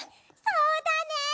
そうだね！